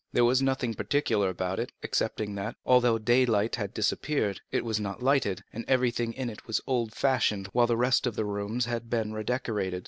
There was nothing particular about it, excepting that, although daylight had disappeared, it was not lighted, and everything in it was old fashioned, while the rest of the rooms had been redecorated.